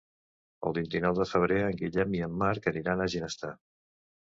El vint-i-nou de febrer en Guillem i en Marc aniran a Ginestar.